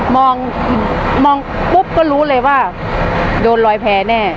มองมองปุ๊บก็รู้เลยว่าโดนลอยแพ้แน่